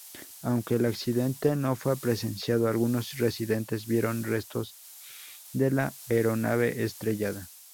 Aunque el accidente no fue presenciado, algunos residentes vieron restos de la aeronave estrellada.